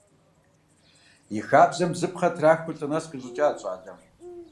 И хабзэм бзыпхъэ трахыу лӀы нэс къищӀыкӀат щӀалэм.